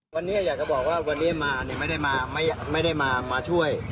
วันนี้อยากจะบอกว่าวันนี้มาไม่ได้มาช่วย